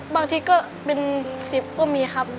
บางทีก็เป็น๑๐ก็มีครับ